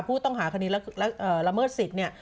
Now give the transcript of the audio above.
ผู้ต้องหาคณีรรมเมิดศิษย์เนี่ย